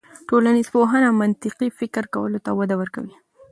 ټولنپوهنه منطقي فکر کولو ته وده ورکوي.